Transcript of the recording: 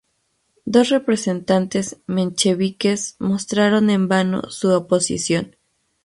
Dos representantes mencheviques mostraron en vano su oposición.